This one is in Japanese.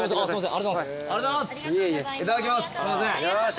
ありがとうございます。